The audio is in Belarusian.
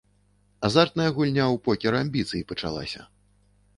Азартная гульня ў покер амбіцый пачалася.